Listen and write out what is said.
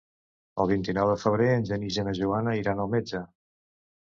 El vint-i-nou de febrer en Genís i na Joana iran al metge.